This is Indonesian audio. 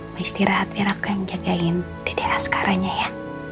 mbak istirahat fir aku yang jagain dede askara nya ya